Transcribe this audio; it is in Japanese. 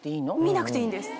見なくていいんです。